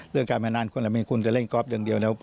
เรื่องการมานานคุณแหละมีคุณจะเล่นกอล์ฟอย่างเดียว